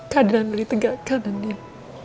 keadilan ini tidak akan dendam